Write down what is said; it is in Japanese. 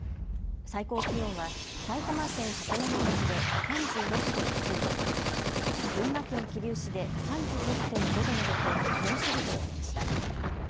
最高気温は埼玉県鳩山町で３６．９度、群馬県桐生市で３６．５度などと猛暑日となりました。